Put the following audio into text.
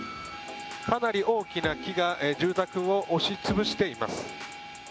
かなり大きな木が住宅を押し潰しています。